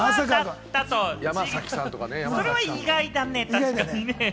それは意外だね、確かに。